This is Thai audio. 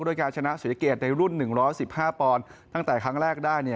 ด้วยการชนะสุยเกตในรุ่น๑๑๕ปอนด์ตั้งแต่ครั้งแรกได้